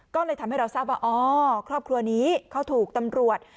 ก็เลยทำให้เราทราบว่าอ๋อครอบครัวนี้เขาถูกตำรวจ